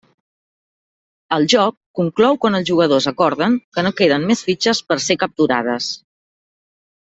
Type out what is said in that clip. El joc conclou quan els jugadors acorden que no queden més fitxes per ser capturades.